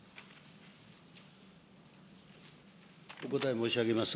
お答え申し上げます。